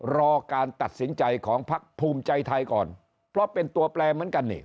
รอการตัดสินใจของพักภูมิใจไทยก่อนเพราะเป็นตัวแปลเหมือนกันนี่